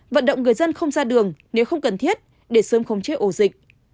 vận động người dân không ra đường nếu không cần thiết để sớm khống chế ổ dịch